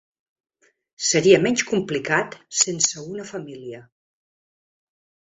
Seria menys complicat sense una família.